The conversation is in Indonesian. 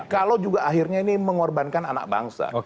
kalau juga akhirnya ini mengorbankan anak bangsa